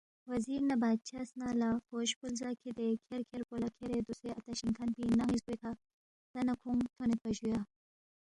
وزیر نہ بادشاہ سنہ لہ، فوج پو لزا لہ کِھدے کھیرکھیر پو لہ کھیرے دوسے اتا شِنگ کھن پی نن٘ی زگوے کھہ تا نہ کھونگ تھونیدپا جُویا